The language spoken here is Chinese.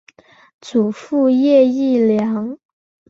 祖父叶益良。